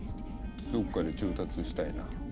どっかで調達したいなぁ。